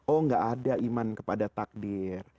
oh gak ada iman kepada takdir